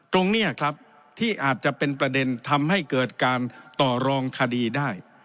ตรงนี้ครับที่อาจจะเป็นประเด็นทำให้เกิดการต่อรองคดีได้